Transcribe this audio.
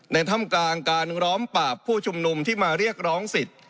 ถ้ำกลางการล้อมปราบผู้ชุมนุมที่มาเรียกร้องสิทธิ์